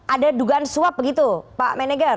ada dugaan suap begitu pak menegar